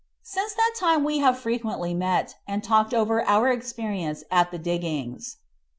Since that time we have frequently met, and talked over our experience at the diggings.